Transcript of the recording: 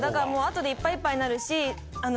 後でいっぱいいっぱいになるし。